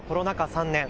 ３年。